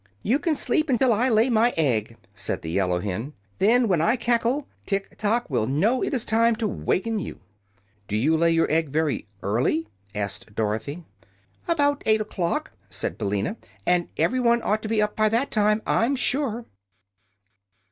"You can sleep until I lay my egg," said the yellow hen. "Then, when I cackle, Tiktok will know it is time to waken you." "Do you lay your egg very early?" asked Dorothy. "About eight o'clock," said Billina. "And everybody ought to be up by that time, I'm sure."